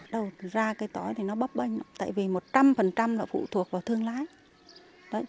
đầu ra cây tỏi thì nó bấp banh tại vì một trăm linh là phụ thuộc vào thương lái